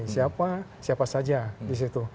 siapa siapa saja di situ